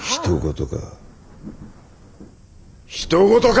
ひと事か！